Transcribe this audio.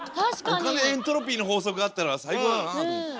お金エントロピーの法則だったら最高だなと思って。